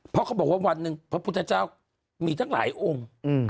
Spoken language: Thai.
เพราะเขาบอกว่าวันหนึ่งพระพุทธเจ้ามีตั้งหลายองค์